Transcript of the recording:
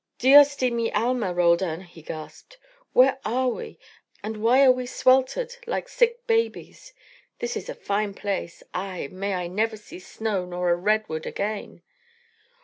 "Dios de mi alma, Roldan," he gasped. "Where are we, and why are we sweltered like sick babies? This is a fine place. Ay! may I never see snow nor a redwood again!"